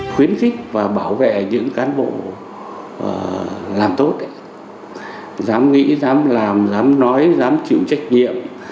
khuyến khích và bảo vệ những cán bộ làm tốt dám nghĩ dám làm dám nói dám chịu trách nhiệm